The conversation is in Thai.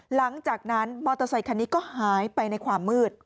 หลังจากนั้นมอเตอร์ไซคันนี้ก็หายไปในความมืด